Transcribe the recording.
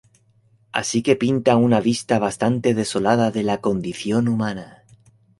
Así que pinta una vista bastante desolada de la condición humana.